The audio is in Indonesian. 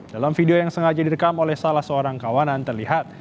dalam video yang sengaja direkam oleh salah seorang kawanan terlihat